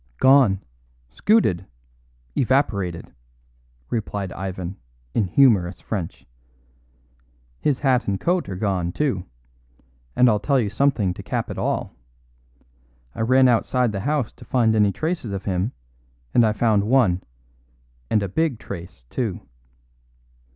"Gone. Scooted. Evaporated," replied Ivan in humorous French. "His hat and coat are gone, too, and I'll tell you something to cap it all. I ran outside the house to find any traces of him, and I found one, and a big trace, too."